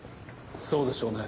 そうでしょうね。